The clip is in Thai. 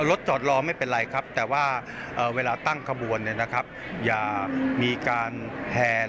รถจอดรอไม่เป็นไรครับแต่เวลาตั้งขบวนอย่ามีการแห่